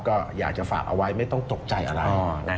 ก็อยากจะฝากเอาไว้ไม่ต้องตกใจอะไร